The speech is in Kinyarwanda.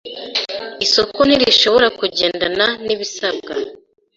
Isoko ntirishobora kugendana nibisabwa.